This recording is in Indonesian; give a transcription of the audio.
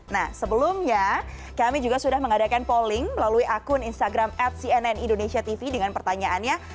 nah sebelumnya kami juga sudah mengadakan polling melalui akun instagram at cnn indonesia tv dengan pertanyaannya